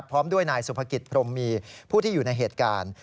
พร้อมด้วยนายสุภกิจพรมมีผู้ที่อยู่ในเหตุการณ์